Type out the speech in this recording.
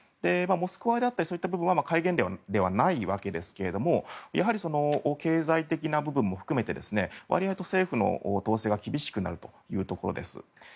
モスクワであったりそういった部分は戒厳令ではないわけですがやはり、経済的な部分も含めて割合、政府の統制が厳しくなるということです。